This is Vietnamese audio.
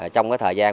trong cái thời gian